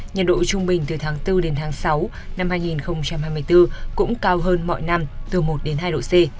nhiệt độ trung bình từ tháng bốn đến tháng sáu năm hai nghìn hai mươi bốn cũng cao hơn mọi năm từ một đến hai độ c